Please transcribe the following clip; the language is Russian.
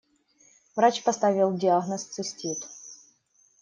Врач поставил диагноз «цистит».